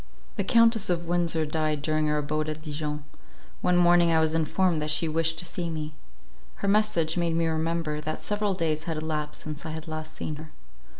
The Countess of Windsor died during our abode at Dijon. One morning I was informed that she wished to see me. Her message made me remember, that several days had elapsed since I had last seen her.